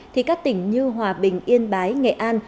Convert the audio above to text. thì các tỉnh như hòa bình yên bái nghệ an